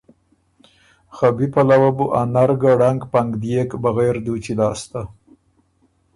خه بی پلؤه بو ا نر ګه ړنګ پنګ ديېک بغېر دُوچی لاسته۔